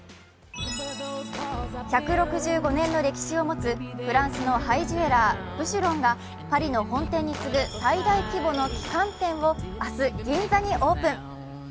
１６５年の歴史を持つフランスのハイジュエラー、ブシュロンがパリの本店に次ぐ最大規模の旗艦店を明日、銀座にオープン。